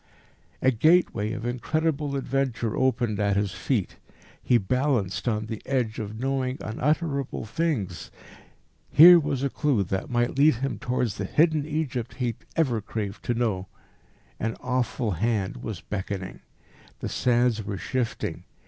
A gateway of incredible adventure opened at his feet. He balanced on the edge of knowing unutterable things. Here was a clue that might lead him towards the hidden Egypt he had ever craved to know. An awful hand was beckoning. The sands were shifting.